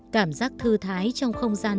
cảm giác thư thái trong không gian